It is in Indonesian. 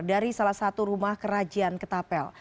dari salah satu rumah kerajian ketapel